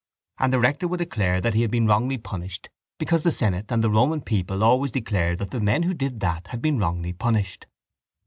And the rector would declare that he had been wrongly punished because the senate and the Roman people always declared that the men who did that had been wrongly punished.